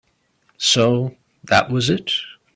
So that was it.